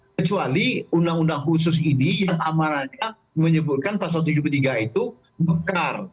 kecuali undang undang khusus ini yang amarannya menyebutkan pasal tujuh puluh tiga itu mekar